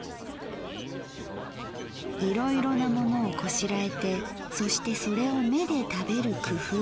「いろいろなものをこしらえてそしてそれを目で食べる工夫をする。